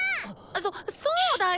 そっそうだよ！